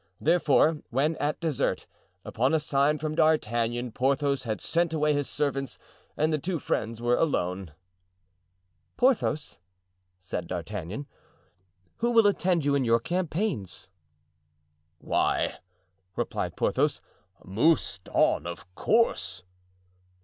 Therefore, when, at dessert, upon a sign from D'Artagnan, Porthos had sent away his servants and the two friends were alone: "Porthos," said D'Artagnan, "who will attend you in your campaigns?" "Why," replied Porthos, "Mouston, of course."